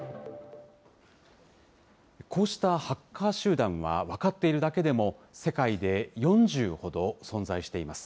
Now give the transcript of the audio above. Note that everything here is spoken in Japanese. こうしたハッカー集団は、分かっているだけでも世界で４０ほど存在しています。